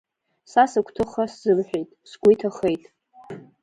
Са сыгәҭыха сзымҳәеит, сгәы иҭахеит.